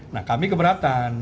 nah kami keberatan